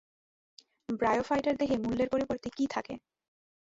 ব্রায়োফাইটার দেহে মূলের পরিবর্তে কী থাকে?